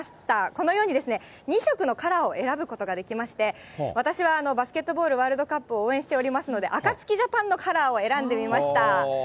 このように２色のカラーを選ぶことができまして、私はバスケットボールワールドカップを応援しておりますので、あかつきジャパンのカラーを選んでみました。